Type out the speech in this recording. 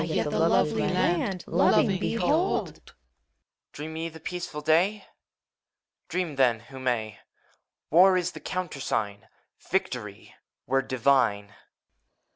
yet the lovely land, Loving, behold! BUPHOBION. Dream ye the peaceful dayt Dream, then, who mayl Wart is the countersign: Victory — ^word divine!